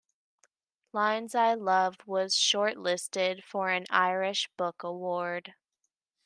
"Lines I Love" was shortlisted for an Irish Book Award.